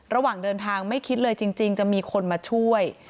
ระหว่างเดินทางไม่คิดเลยจริงจะมีคนมาช่วย